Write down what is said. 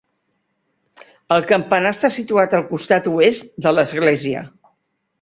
El campanar està situat al costat oest de l'església.